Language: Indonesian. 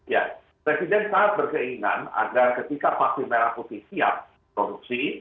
ya presiden sangat berkeinginan agar ketika vaksin merah putih siap produksi